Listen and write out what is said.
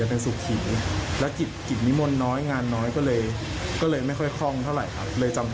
หูโละท่านทั้งนั้นเลยน่ารัก